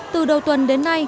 từ đầu tuần đến nay